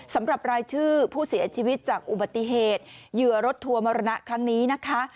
สำหรับรายชื่อผู้เสียชีวิตจากอุบัติเหตุเหยื่อรถทัวร์มรณะครั้งนี้นะคะ